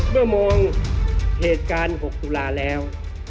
เมื่อมองเหตุการณ์๖ตุลาแล้ว